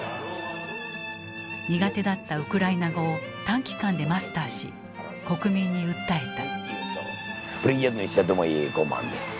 苦手だったウクライナ語を短期間でマスターし国民に訴えた。